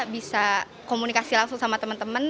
bisa komunikasi langsung sama teman teman